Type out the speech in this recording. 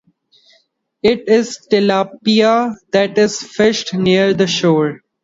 It is tilapia that is fished near the shore.